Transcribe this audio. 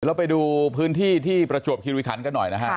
เราไปดูพื้นที่ที่ประจวบคิริคันกันหน่อยนะฮะ